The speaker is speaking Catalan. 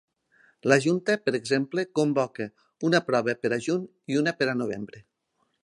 La Junta, per exemple, convoca una prova per a juny i una per a novembre.